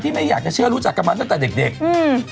ไม่อยากจะเชื่อรู้จักกับมันตั้งแต่เด็กเด็กอืม